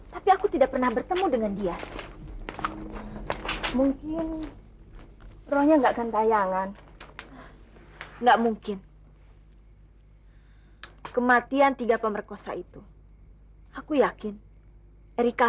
tuhan telah menghukum pemerposa erika